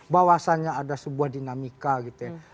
bahwasannya ada sebuah dinamika gitu ya